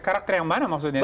karakter yang mana maksudnya